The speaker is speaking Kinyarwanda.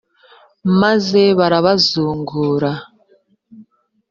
maze barabazungura